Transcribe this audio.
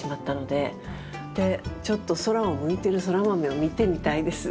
でちょっと空を向いてるソラマメを見てみたいです。